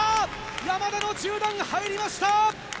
山田の中段、入りました！